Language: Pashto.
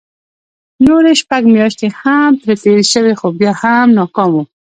نورې شپږ مياشتې هم پرې تېرې شوې خو بيا هم ناکام وو.